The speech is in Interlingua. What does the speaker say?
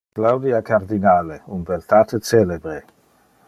Claudia Cardinale un beltate celebre.